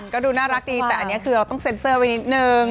ก็ดูน่ารักดีแต่อันนี้คือเราต้องเซ็นเซอร์ไว้นิดนึง